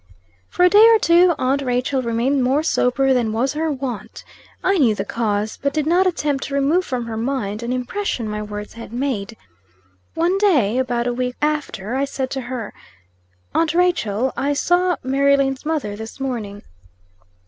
For a day or two, aunt Rachel remained more sober than was her wont. I knew the cause, but did not attempt to remove from her mind an impression my words had made. One day, about a week after, I said to her: "Aunt Rachel, I saw Mary Lane's mother this morning."